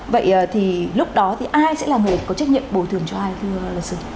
vậy thì lúc đó thì ai sẽ là người có trách nhiệm bồi thường cho ai thưa luật sư